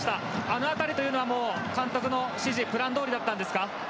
あのあたりは監督の指示プランどおりだったんですか？